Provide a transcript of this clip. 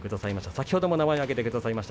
先ほども名前を挙げてくださいました。